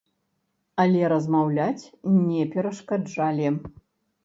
Але размаўляць не перашкаджалі.